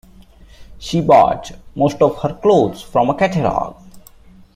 She bought most of her clothes from a catalogue